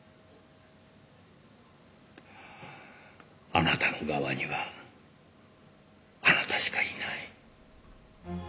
あなたの側にはあなたしかいない。